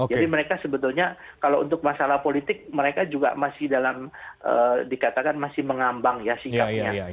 jadi mereka sebetulnya kalau untuk masalah politik mereka juga masih dalam dikatakan masih mengambang ya sikapnya